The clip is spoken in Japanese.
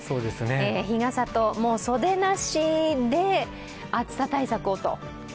日傘と袖なしで暑さ対策をと。